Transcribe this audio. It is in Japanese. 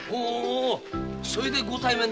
それでご対面だ。